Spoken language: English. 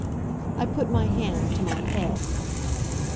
I put my hand to my head.